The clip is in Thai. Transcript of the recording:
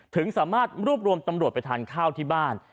ถึงสามารถรวบรวมตำรวจไปทานข้าวที่บ้าน